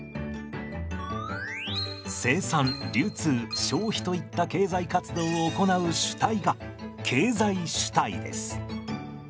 生産流通消費といった経済活動を行う主体が経済主体です。